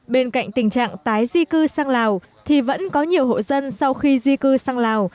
bên cạnh tình trạng tái di cư sang lào thì vẫn có nhiều hộ dân sau khi di cư sang lào